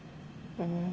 うん。